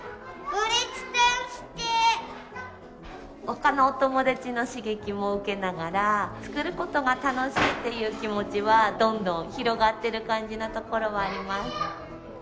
他のお友達の刺激も受けながら作ることが楽しいっていう気持ちはどんどん広がっている感じのところはあります。